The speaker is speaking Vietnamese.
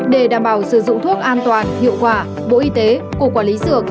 để đảm bảo sử dụng thuốc an toàn hiệu quả bộ y tế cục quản lý dược